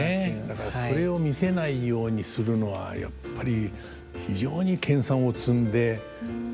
だからそれを見せないようにするのはやっぱり非常に研鑽を積んでやらないと。